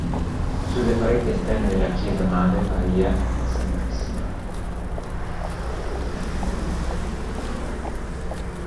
Sulle pareti esterne della chiesa madre Maria Ss.